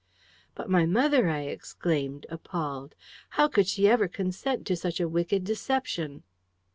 "But my mother!" I exclaimed, appalled. "How could she ever consent to such a wicked deception?"